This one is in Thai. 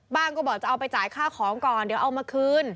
ก็บอกจะเอาไปจ่ายค่าของก่อนเดี๋ยวเอามาคืน